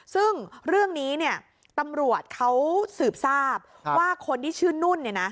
ซึ่งเรื่องนี้เนี่ยตำรวจเขาสืบทราบว่าคนที่ชื่อนุ่นเนี่ยนะ